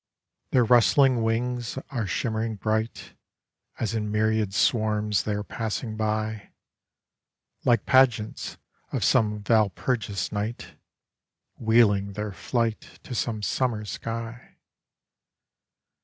Their rustling wings are shimmering bright As in myriad swarms they are passing by, Like pageants of some Valpurgis night, Wheeling their flight to some summer sky.